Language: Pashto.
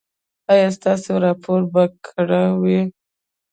ایا ستاسو راپور به کره وي؟